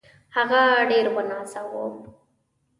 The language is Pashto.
هغه ډېر ونازاوه.